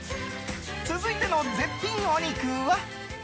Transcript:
続いての絶品お肉は。